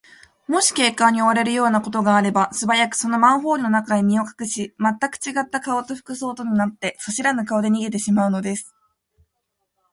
もし警官に追われるようなことがあれば、すばやく、そのマンホールの中へ身をかくし、まったくちがった顔と服装とになって、そしらぬ顔で逃げてしまうのです。